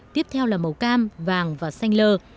tiếp theo là màu cam vàng và xanh lờ